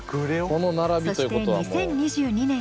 そして２０２２年１月。